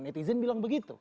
netizen bilang begitu